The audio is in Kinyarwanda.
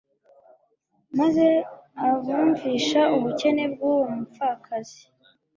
maze abumvisha ubukene bw'uwo mupfakazi.